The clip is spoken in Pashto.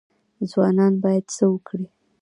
ځوانان باید څه وکړي؟